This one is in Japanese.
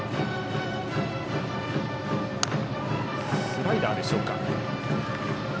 スライダーでしょうか。